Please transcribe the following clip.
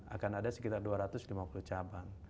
akan ada sekitar dua ratus lima puluh cabang